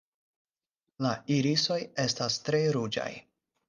La irisoj estas tre ruĝaj.